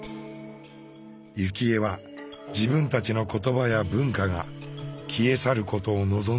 幸恵は自分たちの言葉や文化が消え去ることを望んでいません。